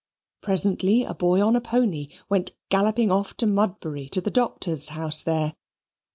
Presently, a boy on a pony went galloping off to Mudbury, to the Doctor's house there.